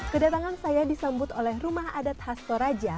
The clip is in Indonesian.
kedatangan saya disambut oleh rumah adat khas toraja